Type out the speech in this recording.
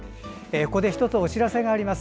ここで１つお知らせがあります。